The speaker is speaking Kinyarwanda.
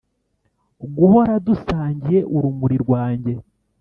guhora dusangira urumuri rwanjye.